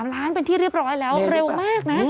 ล้านเป็นที่เรียบร้อยแล้วเร็วมากนะ